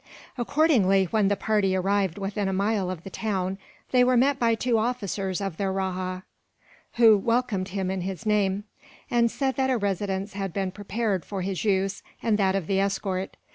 Accordingly, when the party arrived within a mile of the town, they were met by two officers of the rajah; who welcomed him in his name, and said that a residence had been prepared for his use and that of the escort.